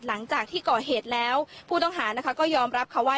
หลังจากที่เกาะเหตุแล้วผู้ต้องหาก็ยอมรับเขาว่า